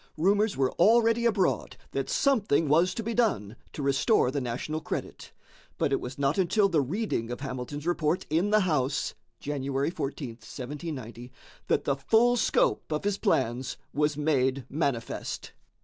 Rumors were already abroad that something was to be done to restore the national credit, but it was not until the reading of Hamilton's report in the House (January 14, 1790) that the full scope of his plans was made manifest.